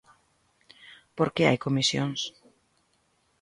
¿Por que hai comisións?